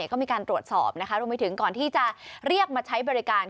ก็มีการตรวจสอบนะคะรวมไปถึงก่อนที่จะเรียกมาใช้บริการ